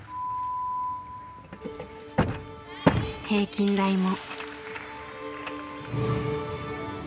平均台も。